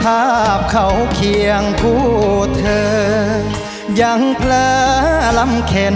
ภาพเขาเคียงผู้เธอยังแผลลำเข็น